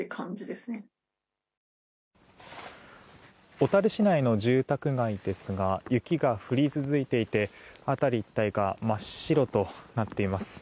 小樽市内の住宅街ですが雪が降り続いていて辺り一帯が真っ白となっています。